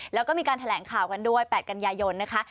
แล้วก็มีการแถลงข่าวกันด้วย๘กันยายนนะคะ